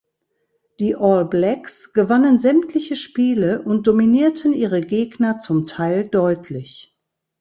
Die All Blacks gewannen sämtliche Spiele und dominierten ihre Gegner zum Teil deutlich.